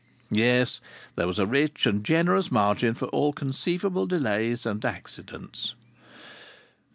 Yes, there was a rich and generous margin for all conceivable delays and accidents.